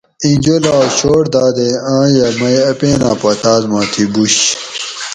اِیں جولاگ شوٹ دادیں آیاں مئی اپینہ پا تاۤس ما تھی بُوش